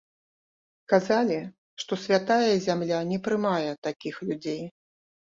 Казалі, што святая зямля не прымае такіх людзей.